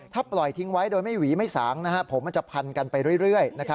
ถ้าปล่อยทิ้งไว้โดยไม่หวีไม่สางผมมันจะพันกันไปเรื่อย